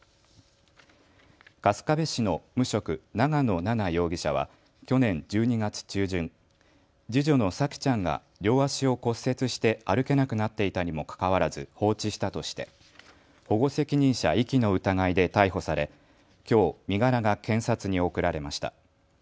春日部市の無職、長野奈々容疑者は去年１２月中旬、次女の沙季ちゃんが両足を骨折して歩けなくなっていたにもかかわらず放置したとして保護責任者遺棄の疑いで逮捕され、きょう身柄が検察に送られました。